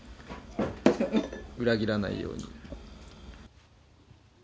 裏切らないように。